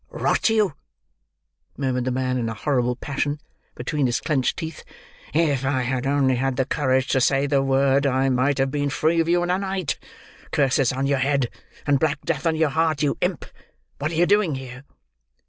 "Rot you!" murmured the man, in a horrible passion; between his clenched teeth; "if I had only had the courage to say the word, I might have been free of you in a night. Curses on your head, and black death on your heart, you imp! What are you doing here?"